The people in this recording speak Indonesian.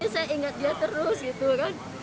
saya ingat dia terus gitu kan